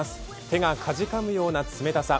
手がかじかむような冷たさ。